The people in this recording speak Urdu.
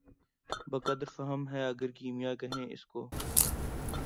بہ قدرِ فہم ہے اگر کیمیا کہیں اُس کو